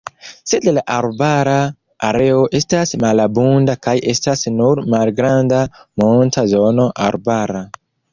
Sed la arbara areo estas malabunda kaj estas nur malgranda monta zono arbara.